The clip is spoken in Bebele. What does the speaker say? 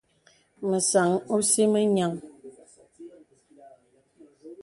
Mə sàn ɔ̀sì mə nyàŋ.